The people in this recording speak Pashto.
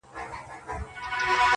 درته یادیږي بېله جنګه د خپل ښار خبري؟!